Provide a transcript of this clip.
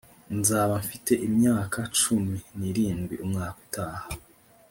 nzaba mfite imyaka cumi n'irindwi umwaka utaha